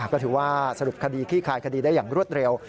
ก็ถือว่าสรุปคดีขี้คายคดีได้อย่างรวดเร็ว